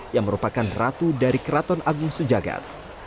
yang merupakan ratu dari keraton agung sejagat